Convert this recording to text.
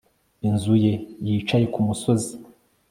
Inzu ye yicaye kumusozi